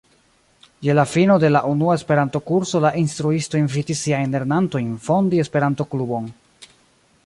Je la fino de la unua Esperanto-kurso la instruisto invitis siajn lernantojn fondi Esperanto-klubon.